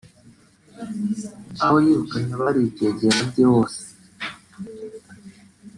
aho yirukanye abari ibyegera bye bose